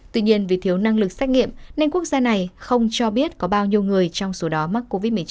tuy nhiên vì thiếu năng lực xét nghiệm nên quốc gia này không cho biết có bao nhiêu người trong số đó mắc covid một mươi chín